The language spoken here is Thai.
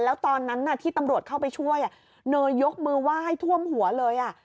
แล้วตอนนั้นที่ตำรวจเข้าไปช่วยเนยยกมือไหว้ท่วมหัวเลย